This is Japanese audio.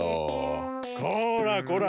こらこら！